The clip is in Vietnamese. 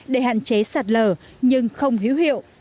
để hạn chế sạt lở nhưng không hiếu hiệu